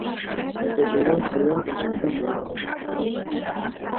د هرات هوا عجیب خوند لري.